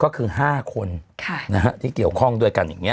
ก็คือ๕คนที่เกี่ยวข้องด้วยกันอย่างนี้